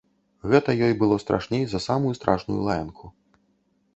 Гэта ёй было страшней за самую страшную лаянку.